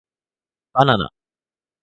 ばなな